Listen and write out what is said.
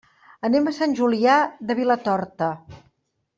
Anem a Sant Julià de Vilatorta.